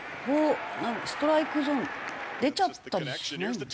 ストライクゾーン出ちゃったりしないんです？